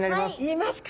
いますか！